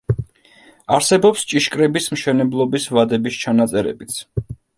არსებობს ჭიშკრების მშენებლობის ვადების ჩანაწერებიც.